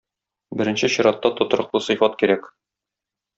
Беренче чиратта тотрыклы сыйфат кирәк.